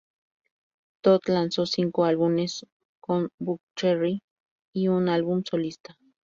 Todd lanzó cinco álbumes con Buckcherry y un álbum solista.